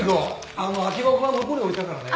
あの空き箱は向こうに置いたからね。